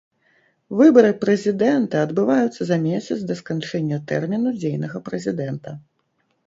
Выбары прэзідэнта адбываюцца за месяц да сканчэння тэрміну дзейнага прэзідэнта.